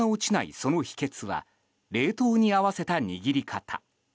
その秘訣は冷凍に合わせた握り方。